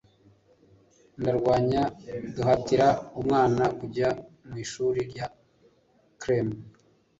ndarwanya duhatira umwana kujya mwishuri rya cram